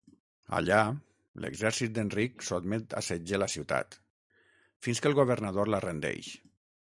Allà, l'exèrcit d'Enric sotmet a setge la ciutat, fins que el governador la rendeix.